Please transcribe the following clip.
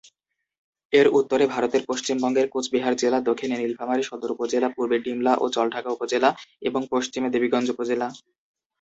এর উত্তরে ভারতের পশ্চিমবঙ্গের কুচবিহার জেলা, দক্ষিণে নীলফামারী সদর উপজেলা, পূর্বে ডিমলা ও জলঢাকা উপজেলা এবং পশ্চিমে দেবীগঞ্জ উপজেলা।